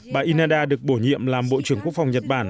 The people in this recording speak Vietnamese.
bà inhada được bổ nhiệm làm bộ trưởng quốc phòng nhật bản